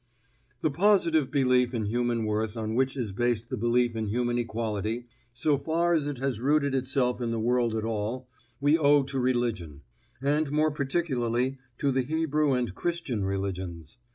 The positive belief in human worth on which is based the belief in human equality, so far as it has rooted itself in the world at all, we owe to religion, and more particularly to the Hebrew and Christian religions.